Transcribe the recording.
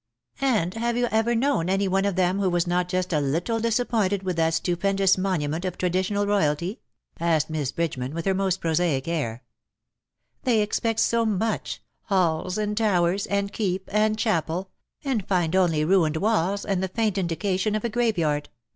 '^ And have you ever known any one of them •who was not just a little disappointed wdth that stupendous monument of traditional royalty?" asked Miss Bridgeman_, with her most prosaic air, '^They expect so much — halls, and towers, and keep, and chapel — and find only ruined walls, and the faint indication of a grave yard.